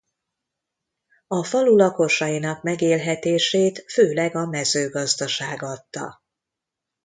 A falu lakosainak megélhetését főleg a mezőgazdaság adta.